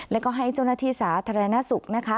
แล้วก็ให้เจ้าหน้าที่สาธารณสุขนะคะ